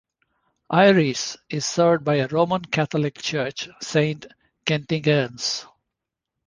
Eyeries is served by a Roman Catholic church, Saint Kentigern's.